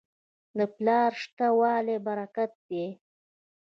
د پلار شته والی برکت دی.